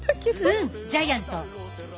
うんジャイアント！